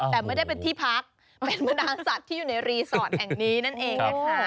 แต่ไม่ได้เป็นที่พักเป็นบรรดาสัตว์ที่อยู่ในรีสอร์ทแห่งนี้นั่นเองนะคะ